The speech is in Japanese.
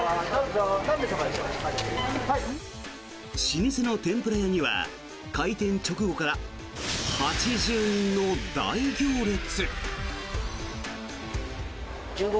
老舗の天ぷら屋には開店直後から８０人の大行列。